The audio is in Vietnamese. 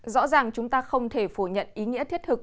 rõ ràng chúng ta không thể phủ nhận ý nghĩa thiết thực